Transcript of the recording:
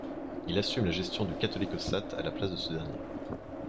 Il assume la gestion du catholicossat à la place de ce dernier.